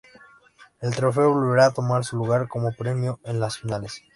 El trofeo volverá a tomar su lugar como premio en las finales.